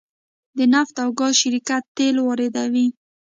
د نفت او ګاز شرکت تیل واردوي